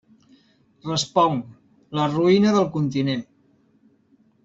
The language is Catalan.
Responc: la ruïna del continent.